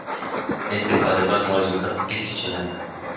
Este cu adevărat un rezultat excelent.